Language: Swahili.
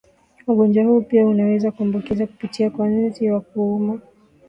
Ugonjwa huu pia unaweza kuambukiza kupitia kwa nzi wa kuuma